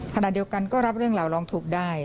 ขณะเดียวกันก็รับเรื่องเหล่าร้องถูกได้